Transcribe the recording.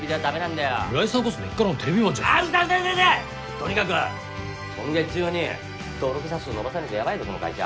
とにかく今月中に登録者数伸ばさなきゃヤバいぞこの会社。